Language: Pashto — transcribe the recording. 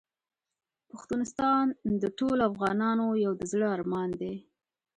پښتونستان د ټولو افغانانو یو د زړه ارمان دی .